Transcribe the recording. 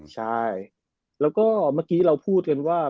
ใช่แล้วก็เมื่อกี้เราพูดกันว่า